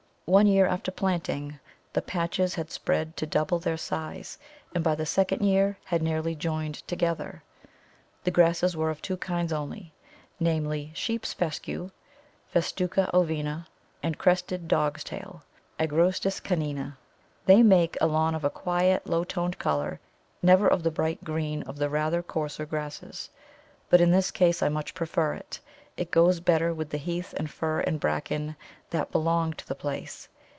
One year after planting the patches had spread to double their size, and by the second year had nearly joined together. The grasses were of two kinds only, namely, Sheep's Fescue (Festuca ovina) and Crested Dog's tail (Agrostis canina). They make a lawn of a quiet, low toned colour, never of the bright green of the rather coarser grasses; but in this case I much prefer it; it goes better with the Heath and Fir and Bracken that belong to the place.